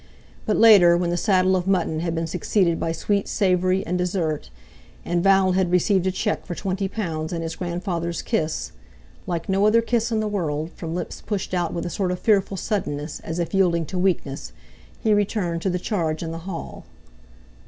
But later, when the saddle of mutton had been succeeded by sweet, savoury, and dessert, and Val had received a cheque for twenty pounds and his grandfather's kiss—like no other kiss in the world, from lips pushed out with a sort of fearful suddenness, as if yielding to weakness—he returned to the charge in the hall.